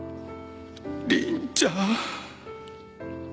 凛ちゃん。